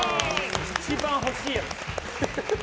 一番欲しいやつ。